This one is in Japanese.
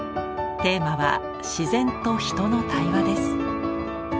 テーマは「自然と人の対話」です。